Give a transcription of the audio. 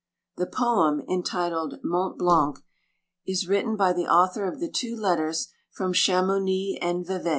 The Poem, entitled " Mont Blanc," is written by the author of the two let ters from Chamouni and Vevai.